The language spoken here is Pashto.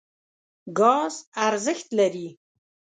ګاز ارزښت لري.